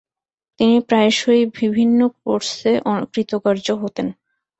তিনি প্রায়শই বিভিন্ন কোর্সে অকৃতকার্য হতেন।